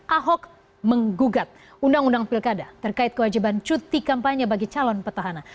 ahok menggugat undang undang pilkada terkait kewajiban cuti kampanye bagi calon petahana